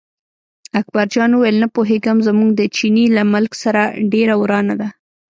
اکبرجان وویل نه پوهېږم، زموږ د چیني له ملک سره ډېره ورانه ده.